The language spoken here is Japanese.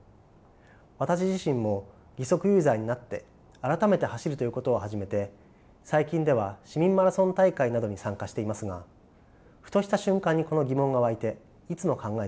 私自身も義足ユーザーになって改めて走るということを始めて最近では市民マラソン大会などに参加していますがふとした瞬間にこの疑問が湧いていつも考えています。